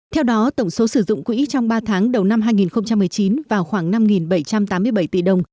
theo đó tổng số sử dụng quỹ trong ba tháng đầu năm hai nghìn một mươi chín vào khoảng năm bảy trăm tám mươi bảy tỷ đồng